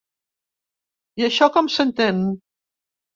I això com s’entén?